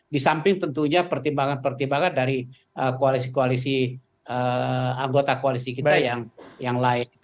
di samping tentunya pertimbangan pertimbangan dari koalisi koalisi anggota koalisi kita yang lain